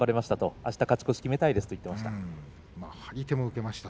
あした勝ち越しを決めたいですと話していました。